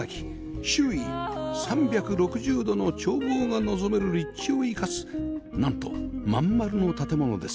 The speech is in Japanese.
周囲３６０度の眺望が望める立地を生かすなんとまんまるの建物です